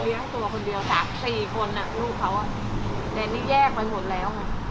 ตัวคนเดียวสามสี่คนอ่ะลูกเขาแต่นี่แยกไปหมดแล้วไง